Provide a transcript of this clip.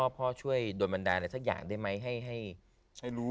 พ่อช่วยโดนบรรดาอะไรสักอย่างได้ไหม